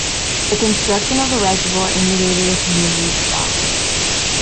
The construction of the reservoir inundated the community of Stout.